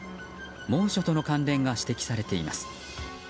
猛暑との関連が指摘されています。